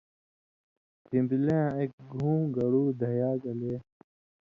پھِن٘بلی یاں ایک گھوں گڑوۡ دھیا گلے